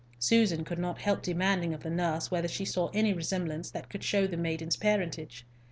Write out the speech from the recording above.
Susan could not help demanding of the nurse whether she saw any resemblance that could show the maiden's parentage.